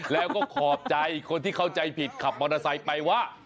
แล้วก็ขอบใจคนที่เข้าใจผิดขับมอเตอร์ไซค์ไปว่า